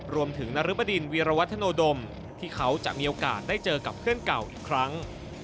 นรบดินวีรวัฒโนดมที่เขาจะมีโอกาสได้เจอกับเพื่อนเก่าอีกครั้ง